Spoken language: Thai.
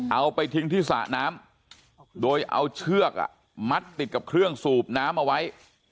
เอาไปทิ้งที่สระน้ำโดยเอาเชือกมัดติดกับเครื่องสูบน้ำเอาไว้